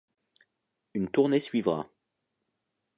Une tournée suivra.